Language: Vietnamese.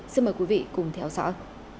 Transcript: xin mời quý vị cùng theo dõi